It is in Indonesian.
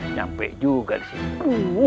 nyampe juga disini